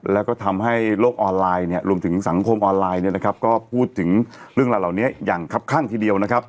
แล้วก็ทำให้โลกออนไลน์รวมถึงสังคมออนไลน์ก็พูดถึงเรื่องเหล่าอย่างครับข้างทีเดียว